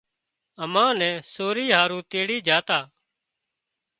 امان نين سوري هارو تيڙي جھا تا